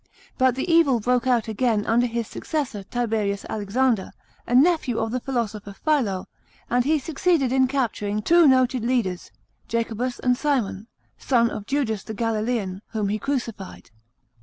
But the evil broke out again under his successor, Tiberius Alexander, a nephew of the philosopher Philo, and he succeeded in capturing two noted leaders, Jacobus and Simon, sons of Judas the Galilean, whom he crucified.